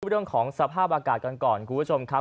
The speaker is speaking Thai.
เรื่องของสภาพอากาศกันก่อนคุณผู้ชมครับ